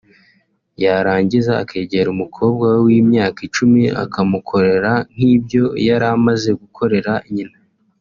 yarangiza akegera umukobwa we w’imyaka icumi akamukorera nk’ibyo yari amaze gukorera nyina